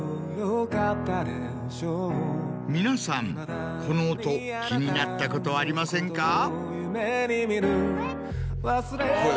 皆さんこの音気になったことありませんか？